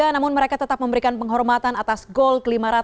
namun mereka tetap memberikan penghormatan atas gol ke lima ratus